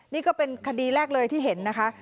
นี่ก็เป็นคดีแรกเลยที่เห็นนะคะ